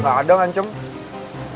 gak ada nganceng